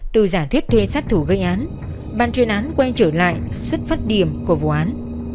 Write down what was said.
từ giải thuyết thuê sát thủ gây án bàn truyền án quay trở lại xuất phát điểm của vụ án